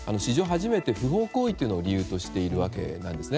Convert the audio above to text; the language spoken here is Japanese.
初めて、不法行為というのを理由としているわけです。